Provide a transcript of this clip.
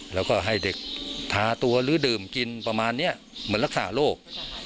แล้วก็ให้เด็กทาตัวหรือดื่มกินประมาณนี้เหมือนรักษาโรค